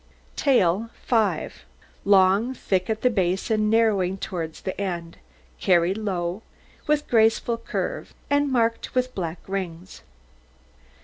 TAIL 5 Long, thick at the base and narrowing towards the end, carried low, with graceful curve, and marked with black rings.